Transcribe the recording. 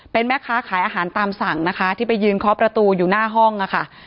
เป็นแม่ค้าขายอาหารตามสั่งนะคะที่ไปยืนเคาะประตูอยู่หน้าห้องค่ะ